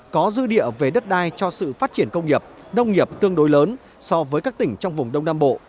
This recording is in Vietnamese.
có dư địa về đất đai cho sự phát triển công nghiệp nông nghiệp tương đối lớn so với các tỉnh trong vùng đông nam bộ